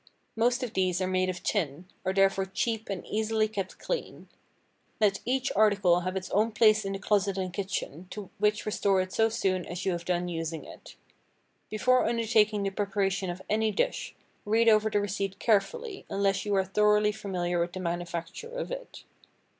Most of these are made of tin—are therefore cheap and easily kept clean. Let each article have its own place in the closet and kitchen, to which restore it so soon as you have done using it. Before undertaking the preparation of any dish, read over the receipt carefully, unless you are thoroughly familiar with the manufacture of it.